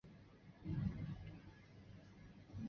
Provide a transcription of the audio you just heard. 当地还有数间工业及制造单位。